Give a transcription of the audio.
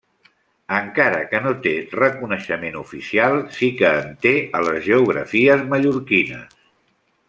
Encara que no té reconeixement oficial, sí que en té a les geografies mallorquines.